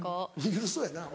緩そうやな。